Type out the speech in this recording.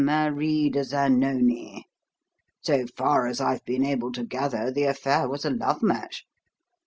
Marie de Zanoni.' So far as I have been able to gather, the affair was a love match.